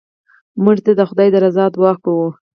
مړه ته د خدای د رضا دعا کوو